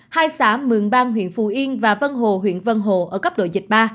hai xã mường bang huyện phù yên và vân hồ huyện vân hồ ở cấp độ dịch ba